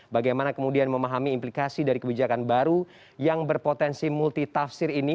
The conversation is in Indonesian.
bagaimana kemudian memahami implikasi dari kebijakan baru yang berpotensi multitafsir ini